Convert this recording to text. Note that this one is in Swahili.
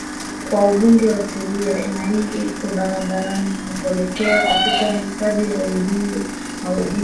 kwa mbuga ya Selous na iko barabarani unapoelekea katika hifadhi ya Udzungwa mbuga ya